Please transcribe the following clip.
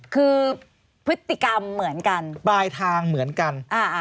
คือพฤติกรรมเหมือนกันปลายทางเหมือนกัน